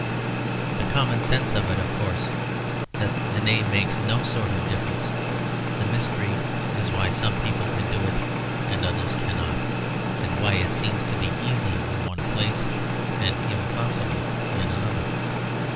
The common sense of it is, of course, that the name makes no sort of difference; the mystery is why some people can do it and others cannot; and why it seems to be easy in one place and impossible in another.